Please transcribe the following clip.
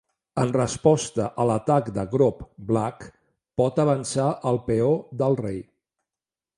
En resposta a l'atac de Grob, Black pot avançar el peó del rei.